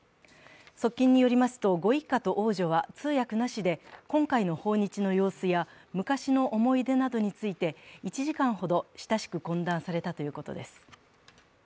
側近によりますとご一家と王女は通訳なしで今回の訪日の様子や昔の思い出などについて１時間ほど親しく懇談されたということです。